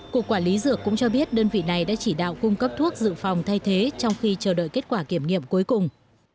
cục quản lý dược cũng cho biết đơn vị này đã chỉ đạo cung cấp thuốc dự phòng thay thế trong khi chờ đợi kết quả kiểm nghiệm cuối cùng